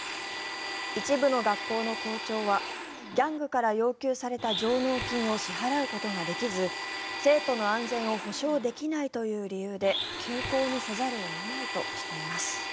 一部の学校の校長はギャングから要求された上納金を支払うことができず生徒の安全を保障できないという理由で休校にせざるを得ないとしています。